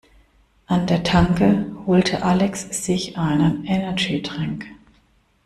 An der Tanke holte Alex sich einen Energy-Drink.